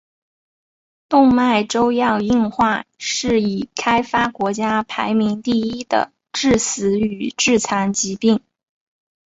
动脉粥样硬化是已开发国家排名第一的致死与致残疾病。